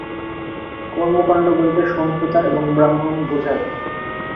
কর্মকাণ্ড বলিতে সংহিতা ও ব্রাহ্মণ বুঝায়।